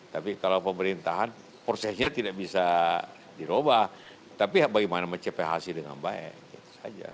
tapi kalau pemerintahan prosesnya tidak bisa dirubah tapi bagaimana mencapai hasil dengan baik itu saja